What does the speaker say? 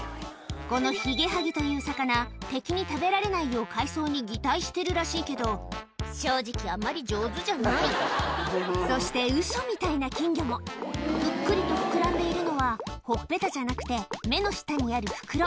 このヒゲハギという魚敵に食べられないよう海藻に擬態してるらしいけど正直あまり上手じゃないそしてウソみたいな金魚もぷっくりと膨らんでいるのはほっぺたじゃなくて目の下にある袋